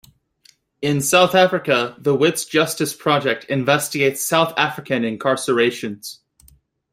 In South Africa, the Wits Justice Project investigates South African incarcerations.